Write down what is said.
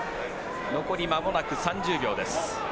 残りまもなく３０秒です。